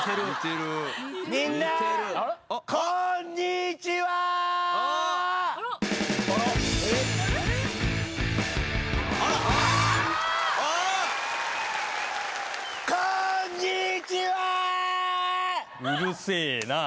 うるせえな。